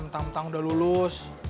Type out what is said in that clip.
bentang bentang udah lulus